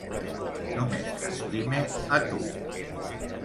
Només t'estime a tu.